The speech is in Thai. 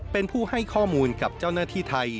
เป็นผู้ให้ข้อมูลกับเจ้าหน้าที่ไทย